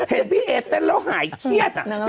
เห็นพี่เอเต้นแล้วหายเครียด